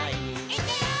「いくよー！」